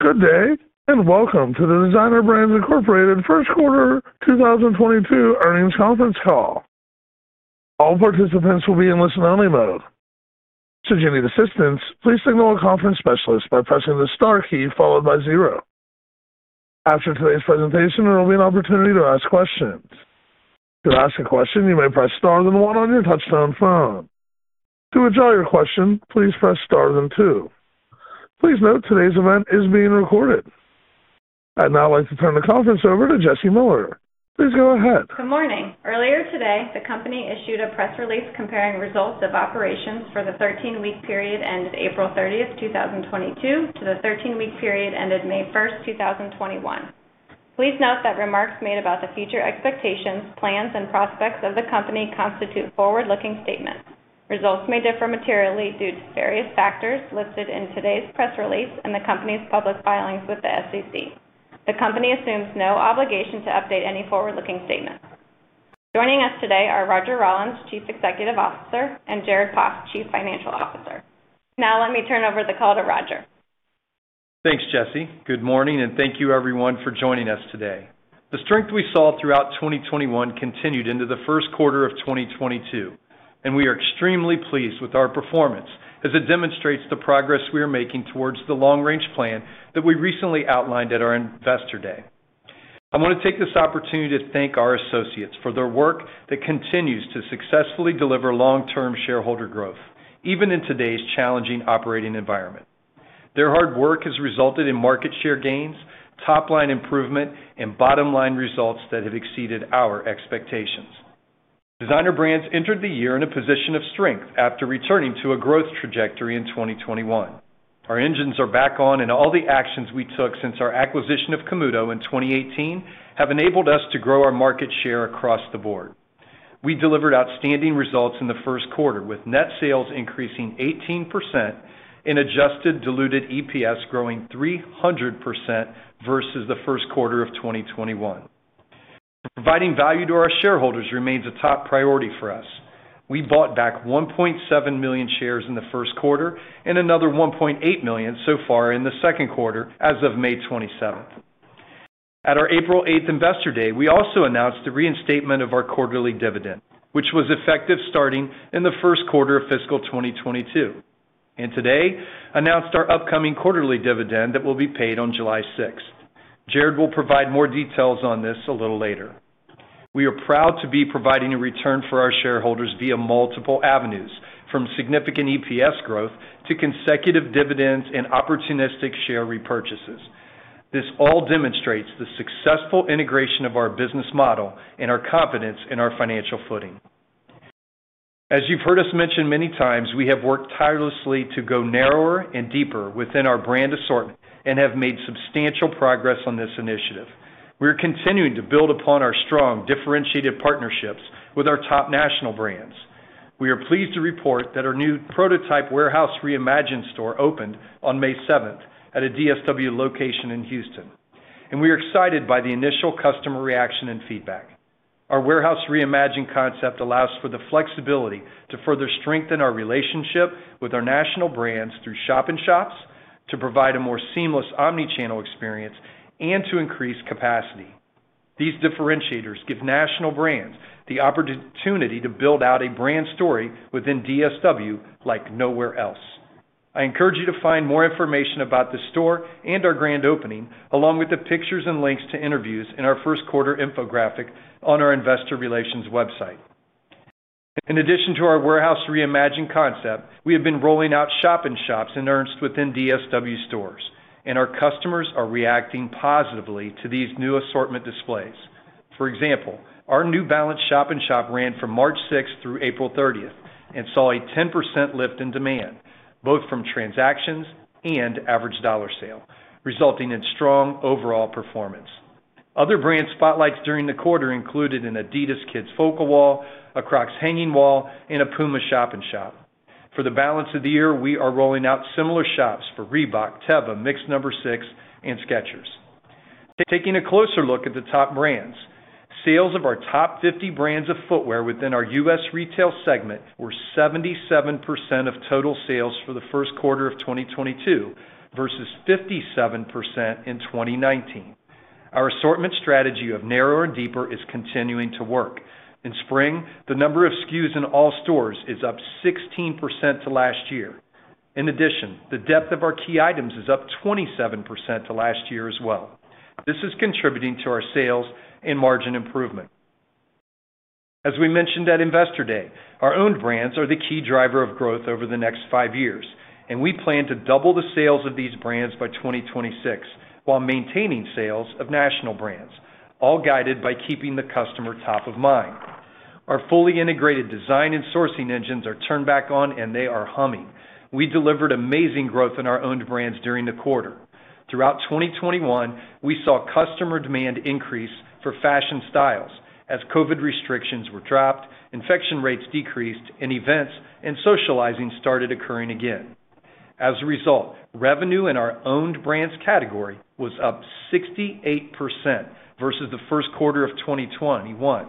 Good day, and welcome to the Designer Brands Inc. first quarter 2022 earnings conference call. All participants will be in listen-only mode. Should you need assistance, please signal a conference specialist by pressing the star key followed by zero. After today's presentation, there will be an opportunity to ask questions. To ask a question, you may press star then one on your touch-tone phone. To withdraw your question, please press star then two. Please note today's event is being recorded. I'd now like to turn the conference over to Jesse Miller. Please go ahead. Good morning. Earlier today, the company issued a press release comparing results of operations for the 13-week period ended April 30th, 2022 to the 13-week period ended May 1st, 2021. Please note that remarks made about the future expectations, plans, and prospects of the company constitute forward-looking statements. Results may differ materially due to various factors listed in today's press release and the company's public filings with the SEC. The company assumes no obligation to update any forward-looking statements. Joining us today are Roger Rawlins, Chief Executive Officer, and Jared Poff, Chief Financial Officer. Now let me turn over the call to Roger. Thanks, Jesse. Good morning, and thank you everyone for joining us today. The strength we saw throughout 2021 continued into the first quarter of 2022, and we are extremely pleased with our performance as it demonstrates the progress we are making towards the long-range plan that we recently outlined at our Investor Day. I want to take this opportunity to thank our associates for their work that continues to successfully deliver long-term shareholder growth, even in today's challenging operating environment. Their hard work has resulted in market share gains, top-line improvement, and bottom-line results that have exceeded our expectations. Designer Brands entered the year in a position of strength after returning to a growth trajectory in 2021. Our engines are back on, and all the actions we took since our acquisition of Camuto in 2018 have enabled us to grow our market share across the board. We delivered outstanding results in the first quarter, with net sales increasing 18% and adjusted diluted EPS growing 300% versus the first quarter of 2021. Providing value to our shareholders remains a top priority for us. We bought back 1.7 million shares in the first quarter and another 1.8 million so far in the second quarter as of May 27th. At our April 8th Investor Day, we also announced the reinstatement of our quarterly dividend, which was effective starting in the first quarter of fiscal 2022, and today announced our upcoming quarterly dividend that will be paid on July 6th. Jared will provide more details on this a little later. We are proud to be providing a return for our shareholders via multiple avenues, from significant EPS growth to consecutive dividends and opportunistic share repurchases. This all demonstrates the successful integration of our business model and our confidence in our financial footing. As you've heard us mention many times, we have worked tirelessly to go narrower and deeper within our brand assortment and have made substantial progress on this initiative. We're continuing to build upon our strong differentiated partnerships with our top national brands. We are pleased to report that our new prototype Warehouse Reimagined store opened on May seventh at a DSW location in Houston, and we are excited by the initial customer reaction and feedback. Our Warehouse Reimagined concept allows for the flexibility to further strengthen our relationship with our national brands through shop in shops to provide a more seamless omni-channel experience and to increase capacity. These differentiators give national brands the opportunity to build out a brand story within DSW like nowhere else. I encourage you to find more information about the store and our grand opening, along with the pictures and links to interviews in our first quarter infographic on our investor relations website. In addition to our Warehouse Reimagined concept, we have been rolling out shop in shops in earnest within DSW stores, and our customers are reacting positively to these new assortment displays. For example, our New Balance shop in shop ran from March sixth through April thirtieth and saw a 10% lift in demand, both from transactions and average dollar sale, resulting in strong overall performance. Other brand spotlights during the quarter included an adidas kids focal wall, a Crocs hanging wall, and a PUMA shop in shop. For the balance of the year, we are rolling out similar shops for Reebok, Teva, Mix No. 6, and Skechers. Taking a closer look at the top brands, sales of our top 50 brands of footwear within our U.S. retail segment were 77% of total sales for the first quarter of 2022 versus 57% in 2019. Our assortment strategy of narrower and deeper is continuing to work. In spring, the number of SKUs in all stores is up 16% to last year. In addition, the depth of our key items is up 27% to last year as well. This is contributing to our sales and margin improvement. As we mentioned at Investor Day, our own brands are the key driver of growth over the next five years, and we plan to double the sales of these brands by 2026 while maintaining sales of national brands, all guided by keeping the customer top of mind. Our fully integrated design and sourcing engines are turned back on, and they are humming. We delivered amazing growth in our own brands during the quarter. Throughout 2021, we saw customer demand increase for fashion styles as COVID restrictions were dropped, infection rates decreased, and events and socializing started occurring again. As a result, revenue in our owned brands category was up 68% versus the first quarter of 2021.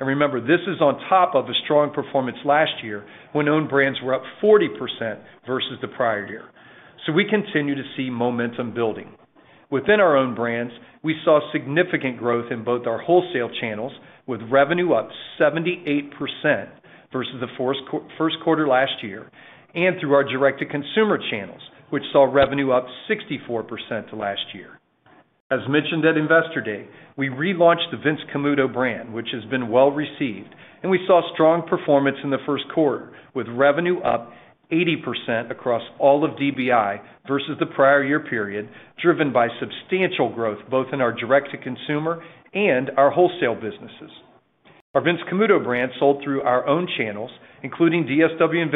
Remember, this is on top of a strong performance last year when owned brands were up 40% versus the prior year. We continue to see momentum building. Within our own brands, we saw significant growth in both our wholesale channels, with revenue up 78% versus the first quarter last year, and through our direct-to-consumer channels, which saw revenue up 64% to last year. As mentioned at Investor Day, we relaunched the Vince Camuto brand, which has been well-received, and we saw strong performance in the first quarter, with revenue up 80% across all of DBI versus the prior year period, driven by substantial growth both in our direct-to-consumer and our wholesale businesses. Our Vince Camuto brand sold through our own channels, including DSW and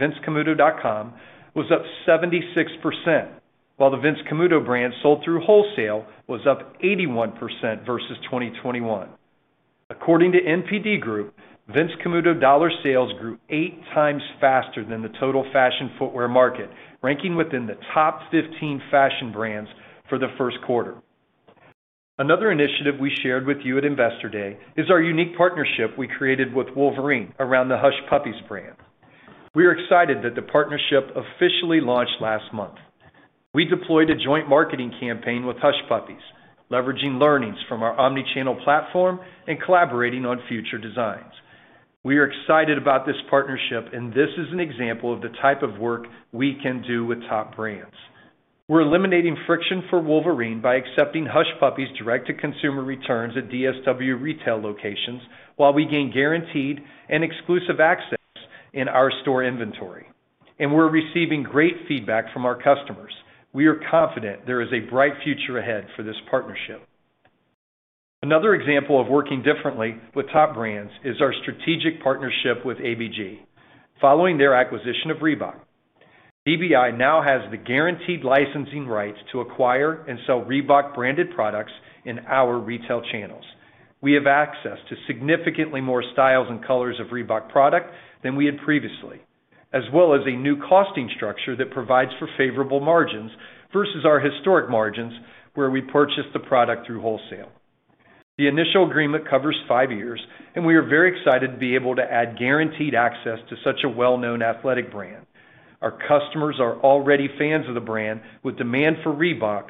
vincecamuto.com, was up 76%, while the Vince Camuto brand sold through wholesale was up 81% versus 2021. According to NPD Group, Vince Camuto dollar sales grew 8x faster than the total fashion footwear market, ranking within the top 15 fashion brands for the first quarter. Another initiative we shared with you at Investor Day is our unique partnership we created with Wolverine around the Hush Puppies brand. We are excited that the partnership officially launched last month. We deployed a joint marketing campaign with Hush Puppies, leveraging learnings from our omni-channel platform and collaborating on future designs. We are excited about this partnership, and this is an example of the type of work we can do with top brands. We're eliminating friction for Wolverine by accepting Hush Puppies direct-to-consumer returns at DSW retail locations while we gain guaranteed and exclusive access in our store inventory. We're receiving great feedback from our customers. We are confident there is a bright future ahead for this partnership. Another example of working differently with top brands is our strategic partnership with ABG. Following their acquisition of Reebok, DBI now has the guaranteed licensing rights to acquire and sell Reebok-branded products in our retail channels. We have access to significantly more styles and colors of Reebok product than we had previously, as well as a new costing structure that provides for favorable margins versus our historic margins where we purchased the product through wholesale. The initial agreement covers five years, and we are very excited to be able to add guaranteed access to such a well-known athletic brand. Our customers are already fans of the brand with demand for Reebok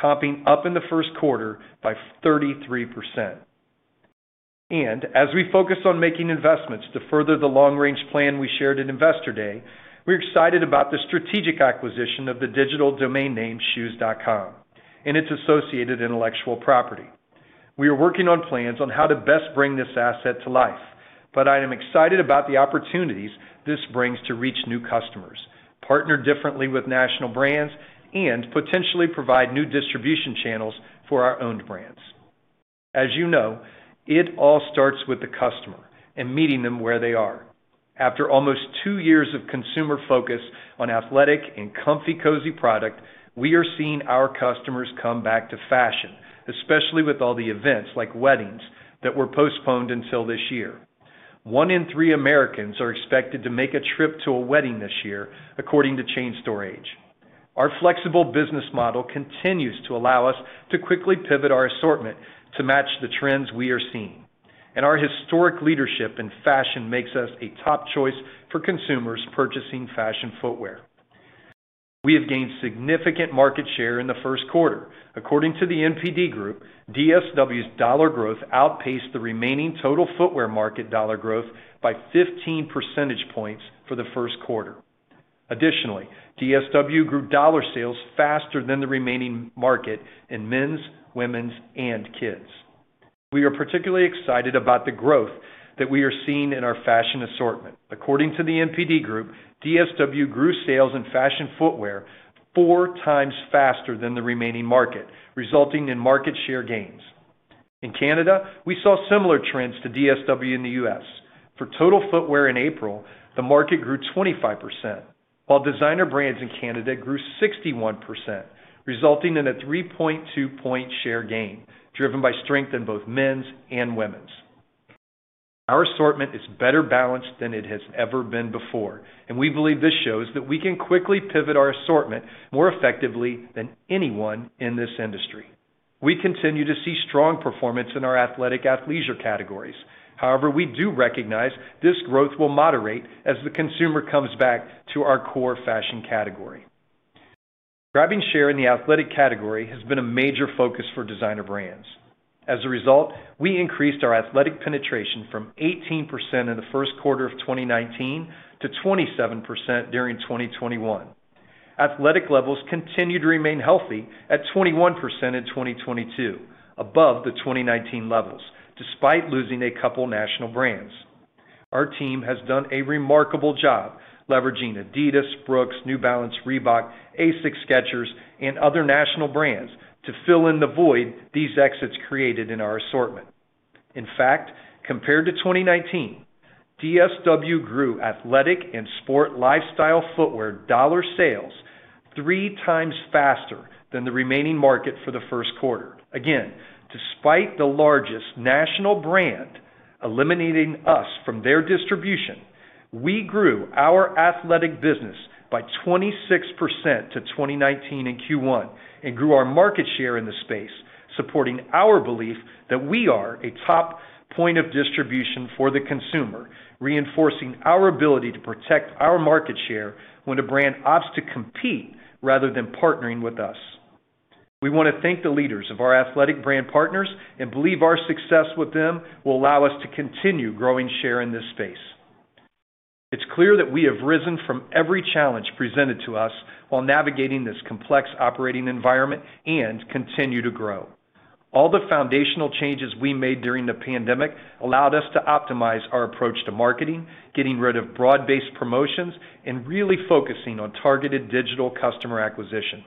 coming up in the first quarter by 33%. As we focus on making investments to further the long-range plan we shared at Investor Day, we're excited about the strategic acquisition of the digital domain name Shoes.com and its associated intellectual property. We are working on plans on how to best bring this asset to life, but I am excited about the opportunities this brings to reach new customers, partner differently with national brands, and potentially provide new distribution channels for our owned brands. As you know, it all starts with the customer and meeting them where they are. After almost two years of consumer focus on athletic and comfy cozy product, we are seeing our customers come back to fashion, especially with all the events like weddings that were postponed until this year. One in three Americans are expected to make a trip to a wedding this year according to Chain Store Age. Our flexible business model continues to allow us to quickly pivot our assortment to match the trends we are seeing. Our historic leadership in fashion makes us a top choice for consumers purchasing fashion footwear. We have gained significant market share in the first quarter. According to the NPD Group, DSW's dollar growth outpaced the remaining total footwear market dollar growth by 15 percentage points for the first quarter. Additionally, DSW grew dollar sales faster than the remaining market in men's, women's, and kids. We are particularly excited about the growth that we are seeing in our fashion assortment. According to the NPD Group, DSW grew sales in fashion footwear 4x faster than the remaining market, resulting in market share gains. In Canada, we saw similar trends to DSW in the U.S. for total footwear in April, the market grew 25%, while Designer Brands in Canada grew 61%, resulting in a 3.2-point share gain, driven by strength in both men's and women's. Our assortment is better balanced than it has ever been before, and we believe this shows that we can quickly pivot our assortment more effectively than anyone in this industry. We continue to see strong performance in our athletic/athleisure categories. However, we do recognize this growth will moderate as the consumer comes back to our core fashion category. Grabbing share in the athletic category has been a major focus for Designer Brands. As a result, we increased our athletic penetration from 18% in the first quarter of 2019 to 27% during 2021. Athletic levels continue to remain healthy at 21% in 2022, above the 2019 levels, despite losing a couple national brands. Our team has done a remarkable job leveraging adidas, Brooks, New Balance, Reebok, ASICS, Skechers, and other national brands to fill in the void these exits created in our assortment. In fact, compared to 2019, DSW grew athletic and sport lifestyle footwear dollar sales 3x faster than the remaining market for the first quarter. Again, despite the largest national brand eliminating us from their distribution. We grew our athletic business by 26% to 2019 in Q1 and grew our market share in the space, supporting our belief that we are a top point of distribution for the consumer, reinforcing our ability to protect our market share when a brand opts to compete rather than partnering with us. We want to thank the leaders of our athletic brand partners and believe our success with them will allow us to continue growing share in this space. It's clear that we have risen from every challenge presented to us while navigating this complex operating environment and continue to grow. All the foundational changes we made during the pandemic allowed us to optimize our approach to marketing, getting rid of broad-based promotions, and really focusing on targeted digital customer acquisition.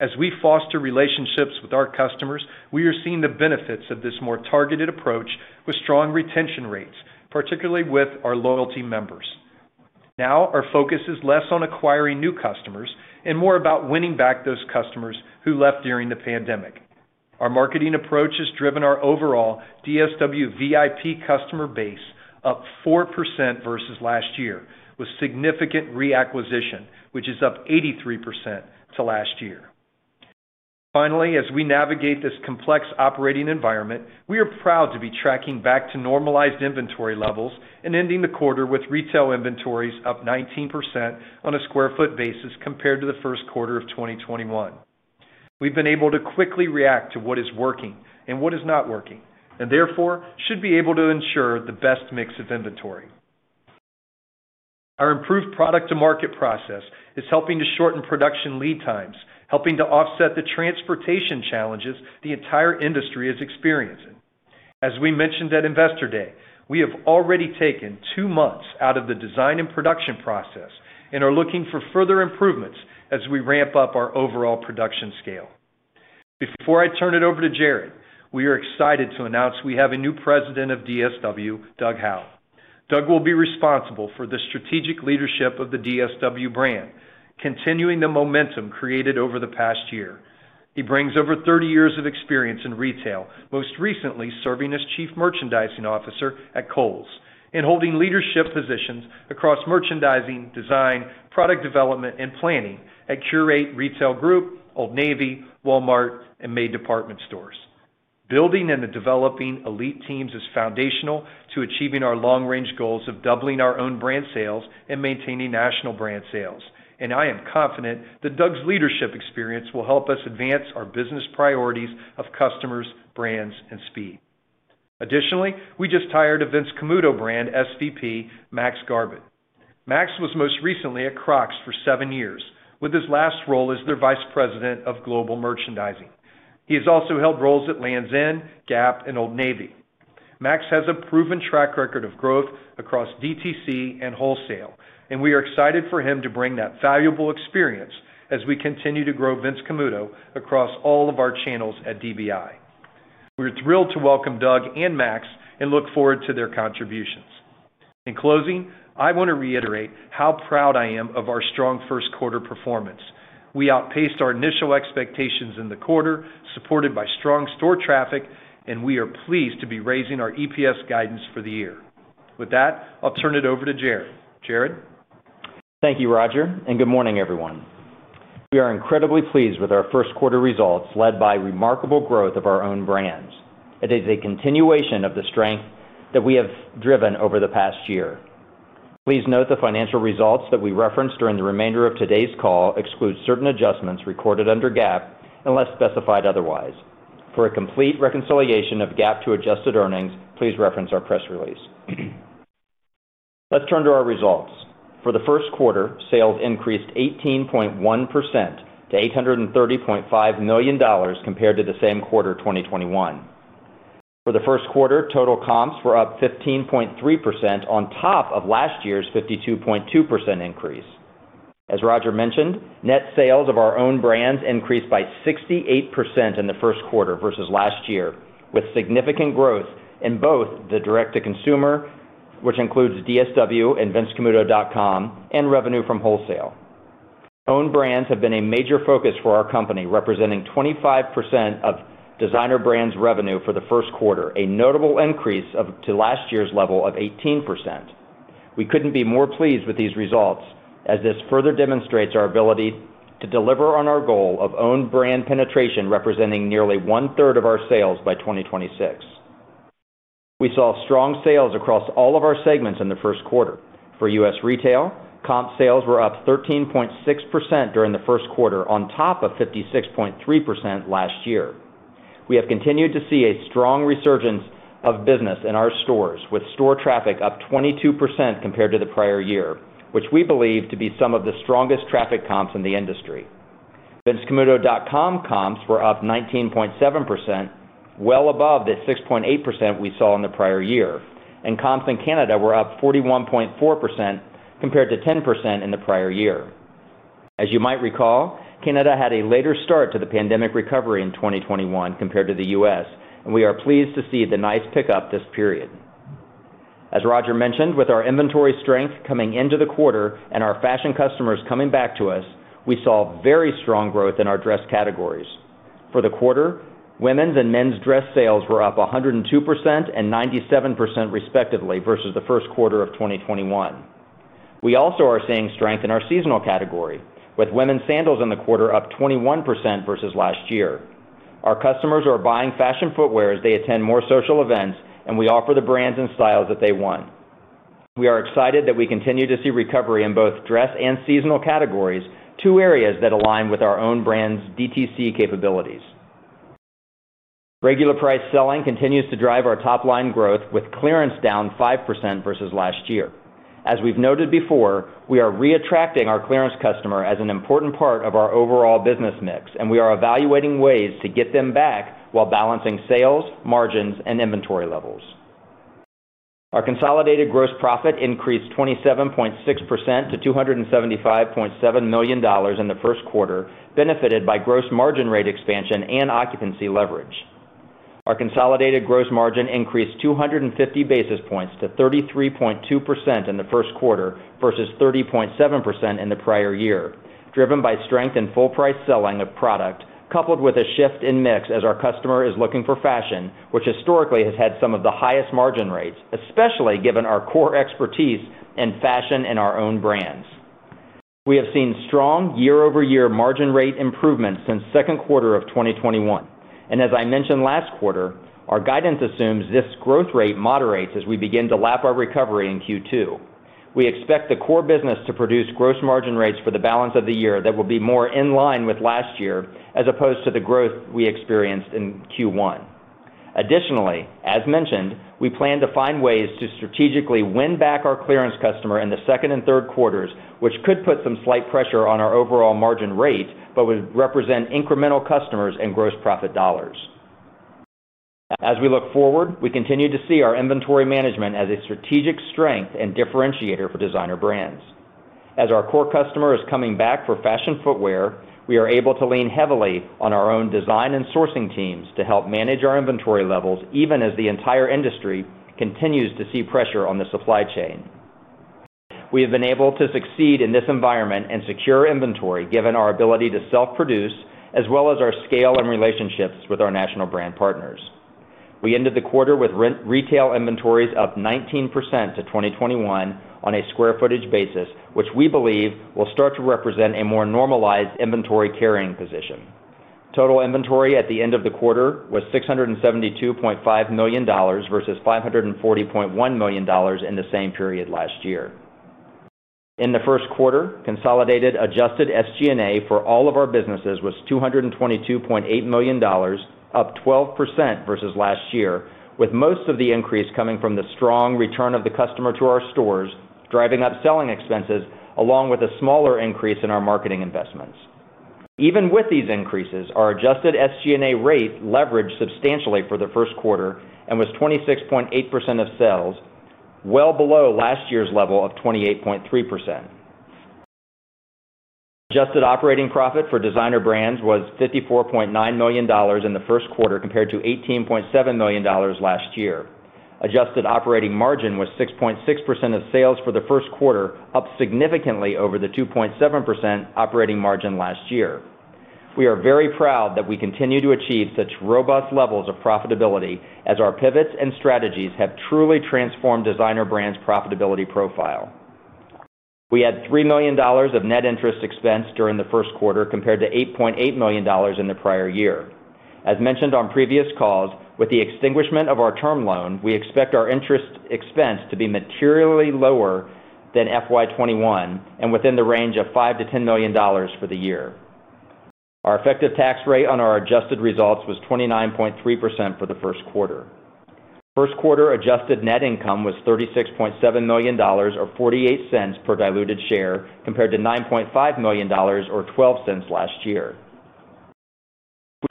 As we foster relationships with our customers, we are seeing the benefits of this more targeted approach with strong retention rates, particularly with our loyalty members. Now our focus is less on acquiring new customers and more about winning back those customers who left during the pandemic. Our marketing approach has driven our overall DSW VIP customer base up 4% versus last year, with significant reacquisition, which is up 83% to last year. Finally, as we navigate this complex operating environment, we are proud to be tracking back to normalized inventory levels and ending the quarter with retail inventories up 19% on a sq ft basis compared to the first quarter of 2021. We've been able to quickly react to what is working and what is not working and therefore should be able to ensure the best mix of inventory. Our improved product-to-market process is helping to shorten production lead times, helping to offset the transportation challenges the entire industry is experiencing. As we mentioned at Investor Day, we have already taken two months out of the design and production process and are looking for further improvements as we ramp up our overall production scale. Before I turn it over to Jared, we are excited to announce we have a new President of DSW, Doug Howe. Doug will be responsible for the strategic leadership of the DSW brand, continuing the momentum created over the past year. He brings over 30 years of experience in retail, most recently serving as chief merchandising officer at Kohl's and holding leadership positions across merchandising, design, product development, and planning at Qurate Retail Group, Old Navy, Walmart, and May Department Stores. Building and developing elite teams is foundational to achieving our long-range goals of doubling our own brand sales and maintaining national brand sales, and I am confident that Doug's leadership experience will help us advance our business priorities of customers, brands, and speed. Additionally, we just hired a Vince Camuto brand SVP, Max Garbutt. Max was most recently at Crocs for seven years, with his last role as their vice president of global merchandising. He has also held roles at Lands' End, Gap, and Old Navy. Max has a proven track record of growth across DTC and wholesale, and we are excited for him to bring that valuable experience as we continue to grow Vince Camuto across all of our channels at DBI. We're thrilled to welcome Doug and Max and look forward to their contributions. In closing, I want to reiterate how proud I am of our strong first quarter performance. We outpaced our initial expectations in the quarter, supported by strong store traffic, and we are pleased to be raising our EPS guidance for the year. With that, I'll turn it over to Jared. Jared? Thank you, Roger, and good morning, everyone. We are incredibly pleased with our first quarter results, led by remarkable growth of our own brands. It is a continuation of the strength that we have driven over the past year. Please note the financial results that we reference during the remainder of today's call exclude certain adjustments recorded under GAAP, unless specified otherwise. For a complete reconciliation of GAAP to adjusted earnings, please reference our press release. Let's turn to our results. For the first quarter, sales increased 18.1% to $830.5 million compared to the same quarter 2021. For the first quarter, total comps were up 15.3% on top of last year's 52.2% increase. As Roger mentioned, net sales of our own brands increased by 68% in the first quarter versus last year, with significant growth in both the direct-to-consumer, which includes DSW and vincecamuto.com, and revenue from wholesale. Own brands have been a major focus for our company, representing 25% of Designer Brands revenue for the first quarter, a notable increase up to last year's level of 18%. We couldn't be more pleased with these results, as this further demonstrates our ability to deliver on our goal of own brand penetration representing nearly one-third of our sales by 2026. We saw strong sales across all of our segments in the first quarter. For U.S. retail, comp sales were up 13.6% during the first quarter on top of 56.3% last year. We have continued to see a strong resurgence of business in our stores, with store traffic up 22% compared to the prior year, which we believe to be some of the strongest traffic comps in the industry. vincecamuto.com comps were up 19.7%, well above the 6.8% we saw in the prior year. Comps in Canada were up 41.4% compared to 10% in the prior year. As you might recall, Canada had a later start to the pandemic recovery in 2021 compared to the U.S., and we are pleased to see the nice pickup this period. As Roger mentioned, with our inventory strength coming into the quarter and our fashion customers coming back to us, we saw very strong growth in our dress categories. For the quarter, women's and men's dress sales were up 102% and 97% respectively versus the first quarter of 2021. We also are seeing strength in our seasonal category, with women's sandals in the quarter up 21% versus last year. Our customers are buying fashion footwear as they attend more social events, and we offer the brands and styles that they want. We are excited that we continue to see recovery in both dress and seasonal categories, two areas that align with our own brand's DTC capabilities. Regular price selling continues to drive our top-line growth with clearance down 5% versus last year. As we've noted before, we are re-attracting our clearance customer as an important part of our overall business mix, and we are evaluating ways to get them back while balancing sales, margins, and inventory levels. Our consolidated gross profit increased 27.6% to $275.7 million in the first quarter, benefited by gross margin rate expansion and occupancy leverage. Our consolidated gross margin increased 250 basis points to 33.2% in the first quarter versus 30.7% in the prior year, driven by strength in full price selling of product, coupled with a shift in mix as our customer is looking for fashion, which historically has had some of the highest margin rates, especially given our core expertise in fashion in our own brands. We have seen strong year-over-year margin rate improvements since second quarter of 2021. As I mentioned last quarter, our guidance assumes this growth rate moderates as we begin to lap our recovery in Q2. We expect the core business to produce gross margin rates for the balance of the year that will be more in line with last year as opposed to the growth we experienced in Q1. Additionally, as mentioned, we plan to find ways to strategically win back our clearance customer in the second and third quarters, which could put some slight pressure on our overall margin rate, but would represent incremental customers and gross profit dollars. As we look forward, we continue to see our inventory management as a strategic strength and differentiator for Designer Brands. As our core customer is coming back for fashion footwear, we are able to lean heavily on our own design and sourcing teams to help manage our inventory levels, even as the entire industry continues to see pressure on the supply chain. We have been able to succeed in this environment and secure inventory given our ability to self-produce as well as our scale and relationships with our national brand partners. We ended the quarter with retail inventories up 19% to 2021 on a square footage basis, which we believe will start to represent a more normalized inventory carrying position. Total inventory at the end of the quarter was $672.5 million versus $540.1 million in the same period last year. In the first quarter, consolidated adjusted SG&A for all of our businesses was $222.8 million, up 12% versus last year, with most of the increase coming from the strong return of the customer to our stores, driving up selling expenses, along with a smaller increase in our marketing investments. Even with these increases, our adjusted SG&A rate leveraged substantially for the first quarter and was 26.8% of sales, well below last year's level of 28.3%. Adjusted operating profit for Designer Brands was $54.9 million in the first quarter compared to $18.7 million last year. Adjusted operating margin was 6.6% of sales for the first quarter, up significantly over the 2.7% operating margin last year. We are very proud that we continue to achieve such robust levels of profitability as our pivots and strategies have truly transformed Designer Brands' profitability profile. We had $3 million of net interest expense during the first quarter compared to $8.8 million in the prior year. As mentioned on previous calls, with the extinguishment of our term loan, we expect our interest expense to be materially lower than FY 2021 and within the range of $5 million-$10 million for the year. Our effective tax rate on our adjusted results was 29.3% for the first quarter. First quarter adjusted net income was $36.7 million, or $0.48 per diluted share, compared to $9.5 million or $0.12 last year.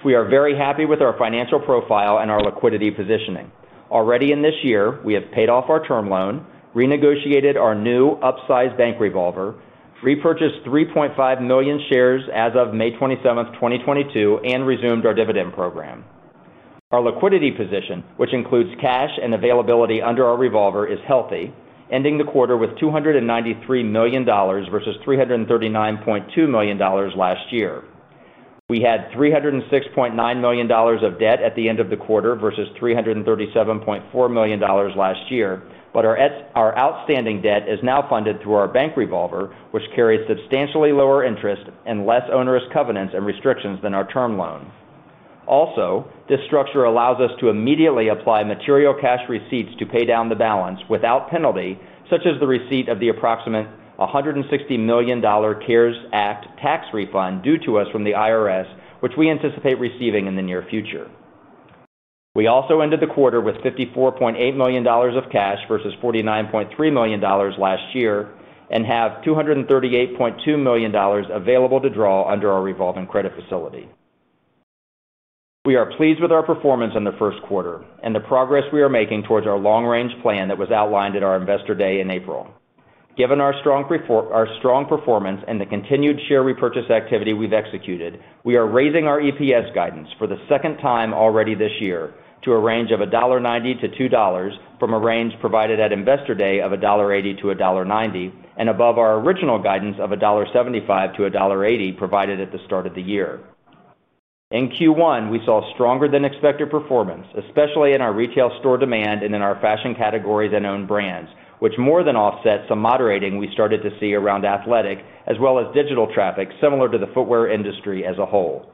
We are very happy with our financial profile and our liquidity positioning. Already in this year, we have paid off our term loan, renegotiated our new upsized bank revolver, repurchased 3.5 million shares as of May 27th, 2022, and resumed our dividend program. Our liquidity position, which includes cash and availability under our revolver, is healthy, ending the quarter with $293 million versus $339.2 million last year. We had $306.9 million of debt at the end of the quarter versus $337.4 million last year. Our outstanding debt is now funded through our bank revolver, which carries substantially lower interest and less onerous covenants and restrictions than our term loans. Also, this structure allows us to immediately apply material cash receipts to pay down the balance without penalty, such as the receipt of the approximate $160 million CARES Act tax refund due to us from the IRS, which we anticipate receiving in the near future. We also ended the quarter with $54.8 million of cash versus $49.3 million last year and have $238.2 million available to draw under our revolving credit facility. We are pleased with our performance in the first quarter and the progress we are making towards our long-range plan that was outlined at our Investor Day in April. Given our strong performance and the continued share repurchase activity we've executed, we are raising our EPS guidance for the second time already this year to a range of $1.90-$2.00 from a range provided at Investor Day of $1.80-$1.90 and above our original guidance of $1.75-$1.80 provided at the start of the year. In Q1, we saw stronger than expected performance, especially in our retail store demand and in our fashion categories and owned brands, which more than offset some moderating we started to see around athletic as well as digital traffic, similar to the footwear industry as a whole.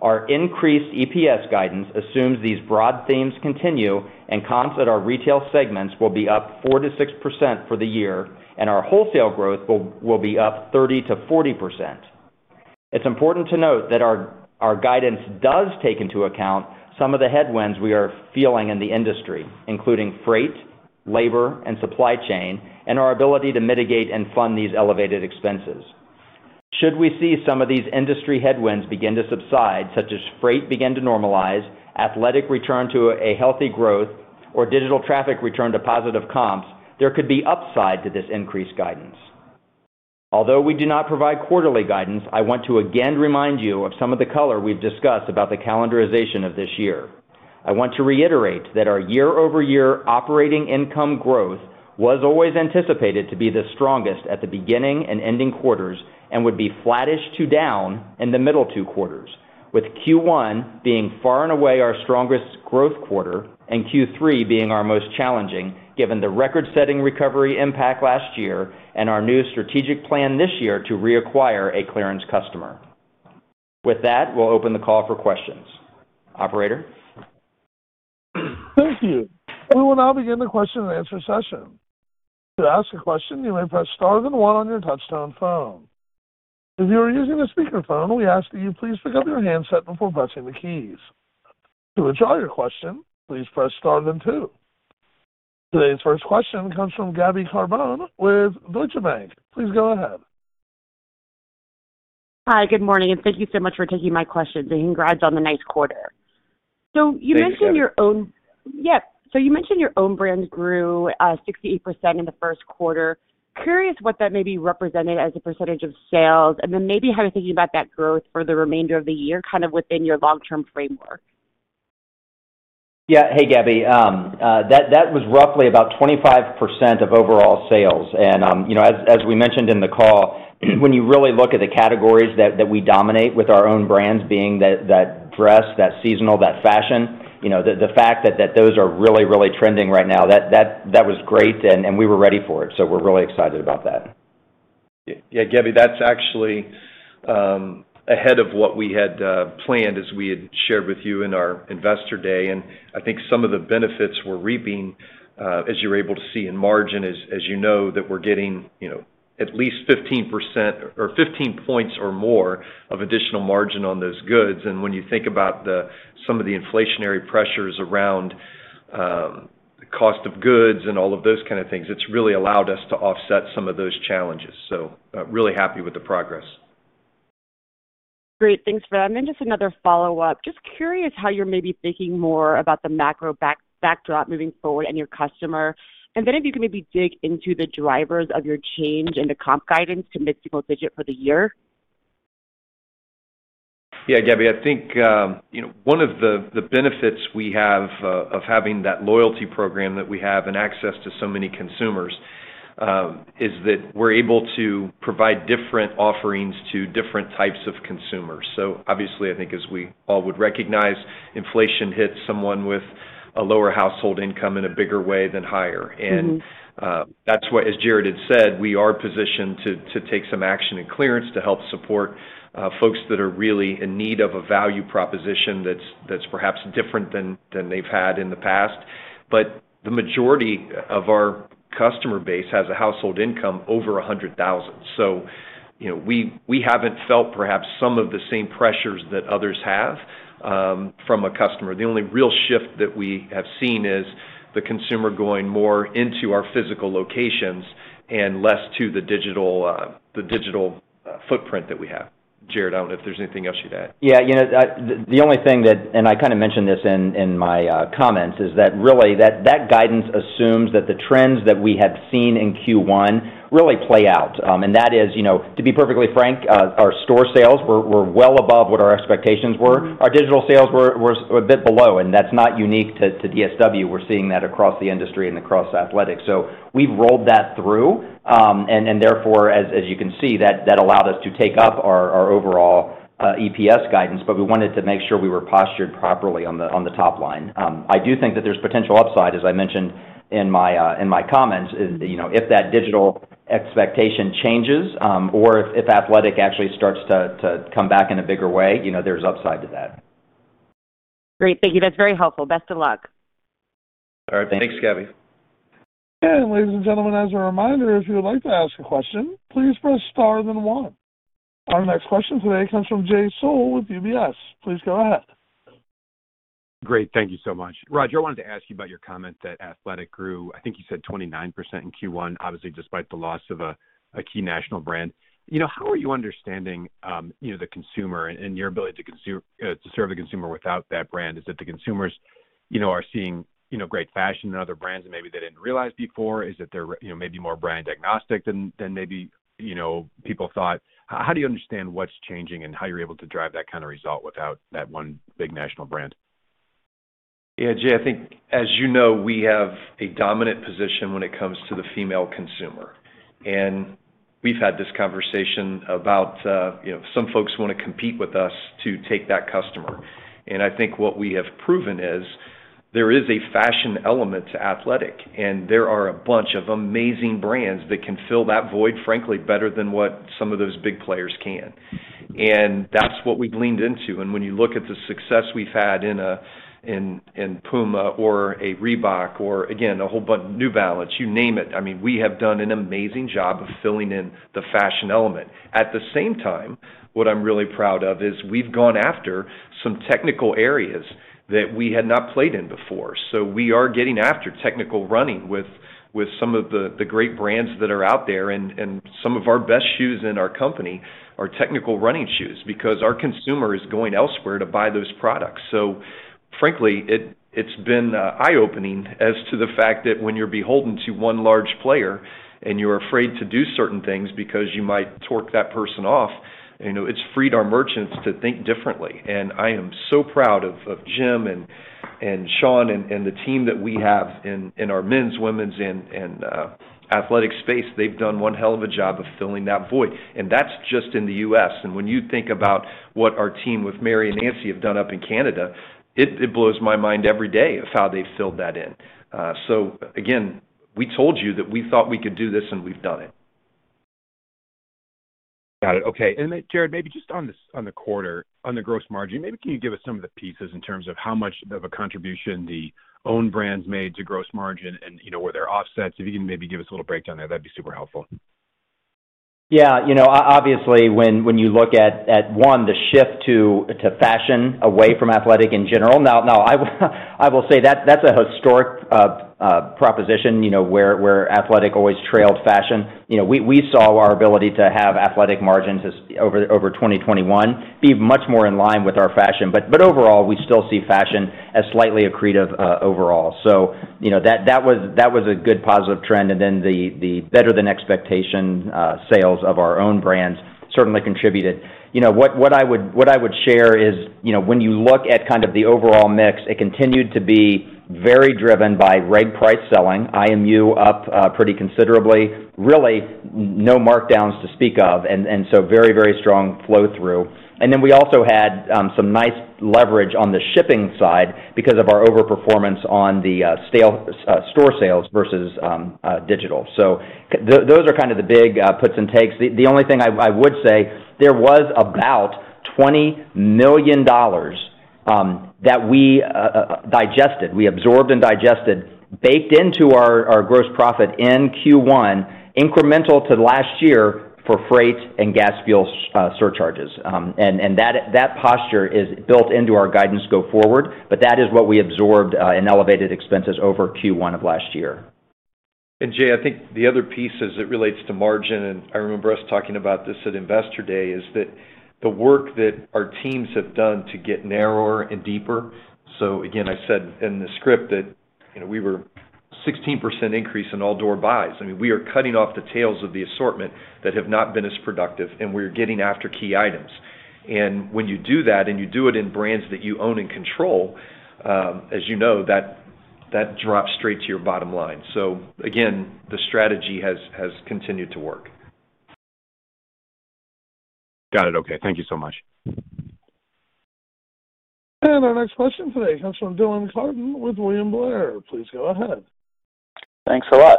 Our increased EPS guidance assumes these broad themes continue and comps at our retail segments will be up 4%-6% for the year, and our wholesale growth will be up 30%-40%. It's important to note that our guidance does take into account some of the headwinds we are feeling in the industry, including freight, labor, and supply chain, and our ability to mitigate and fund these elevated expenses. Should we see some of these industry headwinds begin to subside, such as freight begin to normalize, athletic return to a healthy growth, or digital traffic return to positive comps, there could be upside to this increased guidance. Although we do not provide quarterly guidance, I want to again remind you of some of the color we've discussed about the calendarization of this year. I want to reiterate that our year-over-year operating income growth was always anticipated to be the strongest at the beginning and ending quarters and would be flattish to down in the middle two quarters, with Q1 being far and away our strongest growth quarter and Q3 being our most challenging given the record-setting recovery impact last year and our new strategic plan this year to reacquire a clearance customer. With that, we'll open the call for questions. Operator? Thank you. We will now begin the question-and-answer session. To ask a question, you may press star then one on your touchtone phone. If you are using a speakerphone, we ask that you please pick up your handset before pressing the keys. To withdraw your question, please press star then two. Today's first question comes from Gabriella Carbone with Deutsche Bank. Please go ahead. Hi, good morning, and thank you so much for taking my question. Congrats on the nice quarter. Thank you, Gabby. You mentioned your own brands grew 68% in the first quarter. Curious what that maybe represented as a percentage of sales, and then maybe how you're thinking about that growth for the remainder of the year, kind of within your long-term framework. Yeah. Hey, Gabby. That was roughly about 25% of overall sales and, you know, as we mentioned in the call, when you really look at the categories that we dominate with our own brands being that dress, that seasonal, that fashion, you know, the fact that those are really trending right now, that was great and we were ready for it. We're really excited about that. Yeah, Gabby, that's actually ahead of what we had planned as we had shared with you in our investor day. I think some of the benefits we're reaping as you're able to see in margin is, as you know, that we're getting, you know, at least 15% or 15 points or more of additional margin on those goods. When you think about some of the inflationary pressures around cost of goods and all of those kind of things, it's really allowed us to offset some of those challenges. Really happy with the progress. Great. Thanks for that. Just another follow-up. Just curious how you're maybe thinking more about the macro backdrop moving forward and your customer. If you can maybe dig into the drivers of your change in the comp guidance to mid-single digit for the year. Yeah. Gabby, I think, you know, one of the benefits we have of having that loyalty program that we have and access to so many consumers, is that we're able to provide different offerings to different types of consumers. Obviously, I think as we all would recognize, inflation hits someone with a lower household income in a bigger way than higher. Mm-hmm. that's why, as Jared had said, we are positioned to take some action in clearance to help support folks that are really in need of a value proposition that's perhaps different than they've had in the past. The majority of our customer base has a household income over $100,000. You know, we haven't felt perhaps some of the same pressures that others have, from a customer. The only real shift that we have seen is the consumer going more into our physical locations and less to the digital footprint that we have. Jared, I don't know if there's anything else you'd add. Yeah. You know, the only thing that, and I kind of mentioned this in my comments, is that really, that guidance assumes that the trends that we have seen in Q1 really play out. That is, you know, to be perfectly frank, our store sales were well above what our expectations were. Mm-hmm. Our digital sales were a bit below, and that's not unique to DSW. We're seeing that across the industry and across athletics. We've rolled that through. Therefore, as you can see, that allowed us to take up our overall EPS guidance, but we wanted to make sure we were postured properly on the top line. I do think that there's potential upside, as I mentioned in my comments, you know, if that digital expectation changes, or if athletic actually starts to come back in a bigger way, you know, there's upside to that. Great. Thank you. That's very helpful. Best of luck. All right. Thanks, Gabby. Ladies and gentlemen, as a reminder, if you would like to ask a question, please press star then one. Our next question today comes from Jay Sole with UBS. Please go ahead. Great. Thank you so much. Roger, I wanted to ask you about your comment that athletic grew, I think you said 29% in Q1, obviously, despite the loss of a key national brand. You know, how are you understanding you know the consumer and your ability to serve the consumer without that brand? Is it the consumers you know are seeing you know great fashion in other brands that maybe they didn't realize before? Is it they're you know maybe more brand agnostic than maybe you know people thought? How do you understand what's changing and how you're able to drive that kind of result without that one big national brand? Yeah, Jay, I think as you know, we have a dominant position when it comes to the female consumer. We've had this conversation about, you know, some folks wanna compete with us to take that customer. I think what we have proven is there is a fashion element to athletic, and there are a bunch of amazing brands that can fill that void, frankly, better than what some of those big players can. That's what we leaned into. When you look at the success we've had in PUMA or a Reebok or again, New Balance, you name it. I mean, we have done an amazing job of filling in the fashion element. At the same time, what I'm really proud of is we've gone after some technical areas that we had not played in before. We are getting after technical running with some of the great brands that are out there, and some of our best shoes in our company are technical running shoes because our consumer is going elsewhere to buy those products. Frankly, it's been eye-opening as to the fact that when you're beholden to one large player and you're afraid to do certain things because you might torque that person off, you know, it's freed our merchants to think differently. I am so proud of Jim and Sean and the team that we have in our men's, women's and athletic space. They've done one hell of a job of filling that void, and that's just in the U.S. When you think about what our team with Mary and Nancy have done up in Canada, it blows my mind every day of how they filled that in. Again, we told you that we thought we could do this, and we've done it. Got it. Okay. Jared, maybe just on the quarter, on the gross margin, maybe can you give us some of the pieces in terms of how much of a contribution the own brands made to gross margin and, you know, where they're offsets? If you can maybe give us a little breakdown there, that'd be super helpful. Yeah. You know, obviously, when you look at one, the shift to fashion away from athletic in general. Now I will say that's a historic proposition, you know, where athletic always trailed fashion. You know, we saw our ability to have athletic margins as over 2021 be much more in line with our fashion. Overall, we still see fashion as slightly accretive overall. You know, that was a good positive trend. Then the better than expectation sales of our own brands certainly contributed. You know, what I would share is, you know, when you look at kind of the overall mix, it continued to be very driven by reg price selling, IMU up pretty considerably. Really no markdowns to speak of, and so very strong flow through. Then we also had some nice leverage on the shipping side because of our overperformance on the store sales versus digital. Those are kind of the big puts and takes. The only thing I would say, there was about $20 million that we digested. We absorbed and digested, baked into our gross profit in Q1 incremental to last year for freight and gas fuel surcharges. And that posture is built into our guidance go forward, but that is what we absorbed in elevated expenses over Q1 of last year. Jay, I think the other piece as it relates to margin, and I remember us talking about this at Investor Day, is that the work that our teams have done to get narrower and deeper. Again, I said in the script that, you know, we were 16% increase in all door buys. I mean, we are cutting off the tails of the assortment that have not been as productive, and we are getting after key items. When you do that, and you do it in brands that you own and control, as you know, that drops straight to your bottom line. Again, the strategy has continued to work. Got it. Okay. Thank you so much. Our next question today comes from Dylan Carden with William Blair. Please go ahead. Thanks a lot.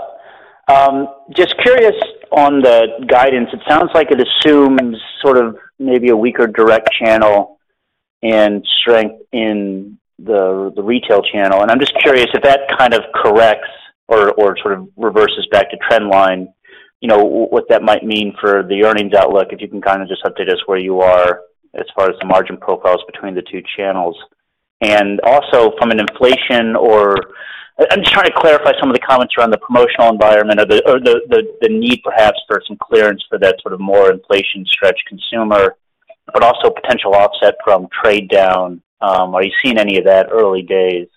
Just curious on the guidance. It sounds like it assumes sort of maybe a weaker direct channel and strength in the retail channel, and I'm just curious if that kind of corrects or sort of reverses back to trend line, you know, what that might mean for the earnings outlook, if you can kind of just update us where you are as far as the margin profiles between the two channels. Also from an inflation or I'm just trying to clarify some of the comments around the promotional environment or the need perhaps for some clearance for that sort of more inflation stretch consumer, but also potential offset from trade down. Are you seeing any of that early days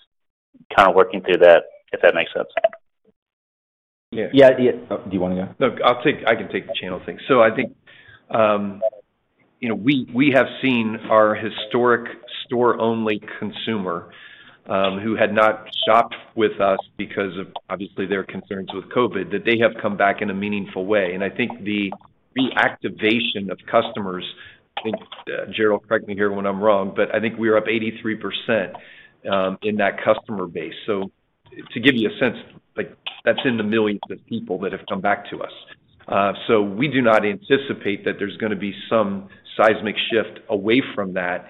kind of working through that, if that makes sense? Yeah. Yeah, yeah. Oh, do you wanna go? Look, I can take the channel thing. I think you know, we have seen our historic store only consumer who had not shopped with us because of obviously their concerns with COVID, that they have come back in a meaningful way. I think the reactivation of customers, I think, Jared, correct me if I'm wrong, but I think we are up 83% in that customer base. To give you a sense, like that's in the millions of people that have come back to us. We do not anticipate that there's gonna be some seismic shift away from that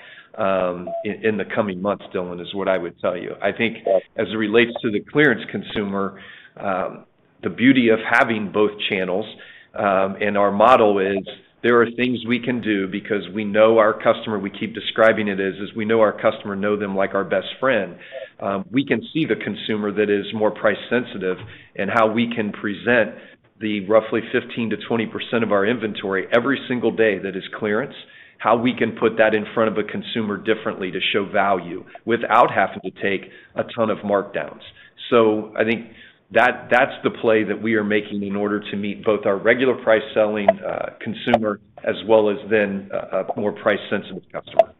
in the coming months, Dylan, is what I would tell you. I think as it relates to the clearance consumer, the beauty of having both channels in our model is there are things we can do because we know our customer. We keep describing it as we know our customer, know them like our best friend. We can see the consumer that is more price sensitive and how we can present the roughly 15%-20% of our inventory every single day that is clearance, how we can put that in front of a consumer differently to show value without having to take a ton of markdowns. I think that that's the play that we are making in order to meet both our regular price selling consumer as well as a more price-sensitive customer.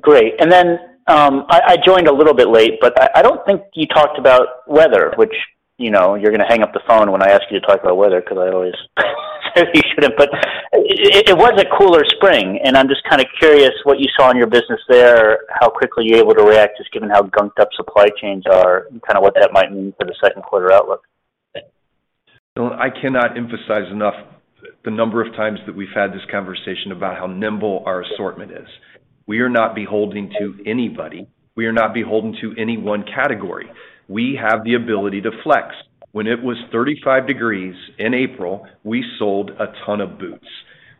Great. Then, I joined a little bit late, but I don't think you talked about weather, which, you know, you're gonna hang up the phone when I ask you to talk about weather 'cause I always say you shouldn't. But it was a cooler spring, and I'm just kinda curious what you saw in your business there, how quickly you're able to react just given how gunked up supply chains are and kinda what that might mean for the second quarter outlook. I cannot emphasize enough the number of times that we've had this conversation about how nimble our assortment is. We are not beholden to anybody. We are not beholden to any one category. We have the ability to flex. When it was 35 degrees Fahrenheit in April, we sold a ton of boots.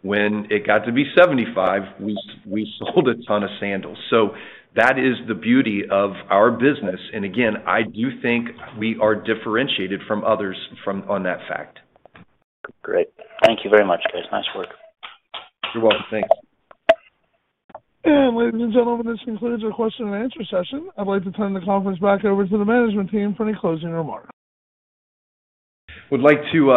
When it got to be 75 degrees, we sold a ton of sandals. That is the beauty of our business. Again, I do think we are differentiated from others on that fact. Great. Thank you very much, guys. Nice work. You're welcome. Thanks. Ladies and gentlemen, this concludes our question and answer session. I'd like to turn the conference back over to the management team for any closing remarks. would like to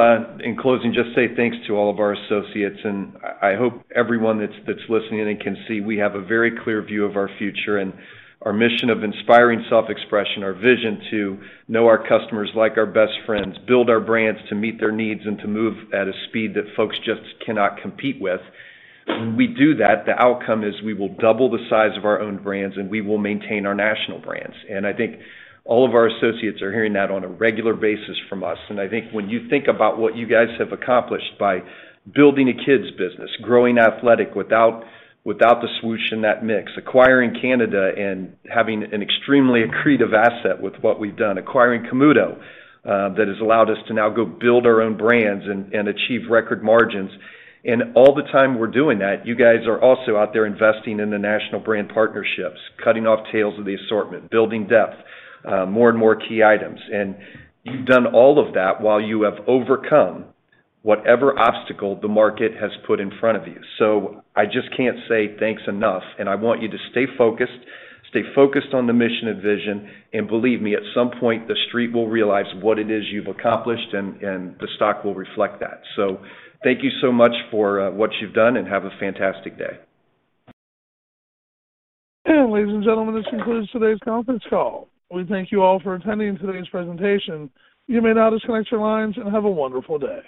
in closing just say thanks to all of our associates, and I hope everyone that's listening in can see we have a very clear view of our future and our mission of inspiring self-expression, our vision to know our customers like our best friends, build our brands to meet their needs and to move at a speed that folks just cannot compete with. When we do that, the outcome is we will double the size of our own brands, and we will maintain our national brands. I think all of our associates are hearing that on a regular basis from us. I think when you think about what you guys have accomplished by building a kids business, growing athletic without the swoosh in that mix, acquiring Canada and having an extremely accretive asset with what we've done, acquiring Camuto, that has allowed us to now go build our own brands and achieve record margins. All the time we're doing that, you guys are also out there investing in the national brand partnerships, cutting off tails of the assortment, building depth, more and more key items. You've done all of that while you have overcome whatever obstacle the market has put in front of you. I just can't say thanks enough, and I want you to stay focused on the mission and vision. Believe me, at some point, the street will realize what it is you've accomplished, and the stock will reflect that. Thank you so much for what you've done, and have a fantastic day. Ladies and gentlemen, this concludes today's conference call. We thank you all for attending today's presentation. You may now disconnect your lines, and have a wonderful day.